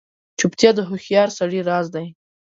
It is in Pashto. چوپتیا، د هوښیار سړي راز دی.